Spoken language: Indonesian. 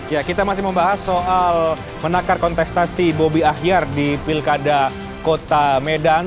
ya kita masih membahas soal menakar kontestasi bobi ahyar di pilkada kota medan